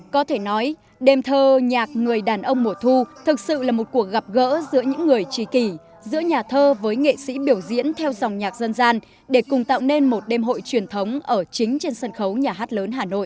có thể nói đêm thơ nhạc người đàn ông mùa thu thực sự là một cuộc gặp gỡ giữa những người trí kỳ giữa nhà thơ với nghệ sĩ biểu diễn theo dòng nhạc dân gian để cùng tạo nên một đêm hội truyền thống ở chính trên sân khấu nhà hát lớn hà nội